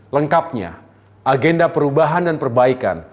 lengkapnya agenda perubahan dan perbaikan